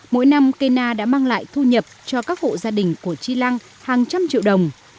mỗi năm cây na đã mang lại thu nhập cho các hộ gia đình của chi lăng hàng trăm triệu đồng